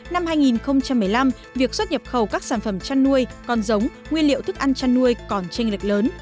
năm hai nghìn một mươi năm việc xuất nhập khẩu các sản phẩm chăn nuôi con giống nguyên liệu thức ăn chăn nuôi còn tranh lệch lớn